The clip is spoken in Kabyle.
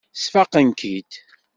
Sfaqen-k-id.